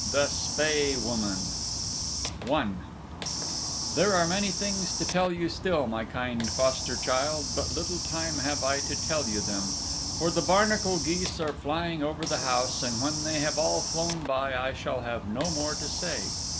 THE SPAE WOMAN I There are many things to tell you still, my kind foster child, but little time have I to tell you them, for the barnacle geese are flying over the house, and when they have all flown by I shall have no more to say.